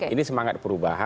ini semangat perubahan